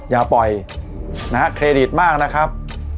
อย่าปล่อยนะฮะเครดิตมากนะครับ